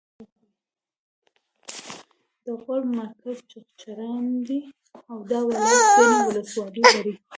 د غور مرکز چغچران دی او دا ولایت ګڼې ولسوالۍ لري